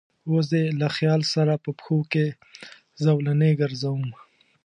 اوس دې له خیال سره په پښو کې زولنې ګرځوم